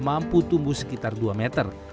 mampu tumbuh sekitar dua meter